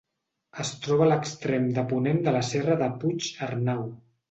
Es troba a l'extrem de ponent de la Serra de Puig-arnau.